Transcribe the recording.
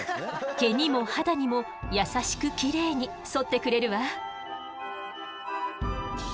毛にも肌にも優しくきれいにそってくれるわ。